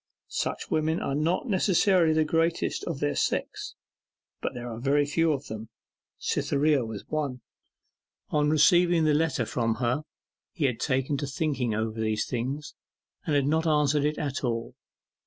Such women are not necessarily the greatest of their sex, but there are very few of them. Cytherea was one. On receiving the letter from her he had taken to thinking over these things, and had not answered it at all.